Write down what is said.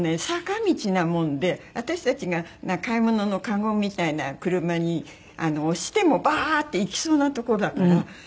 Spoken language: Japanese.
坂道なもんで私たちが買い物のカゴみたいな車に押してもバーッて行きそうなとこだから。